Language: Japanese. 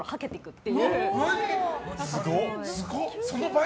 って。